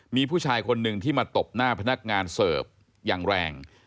มีผู้ชายคนหนึ่งที่มาตบหน้าพนักงานเสิร์ฟอย่างแรง